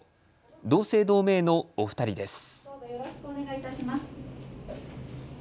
同姓同名のお二人です。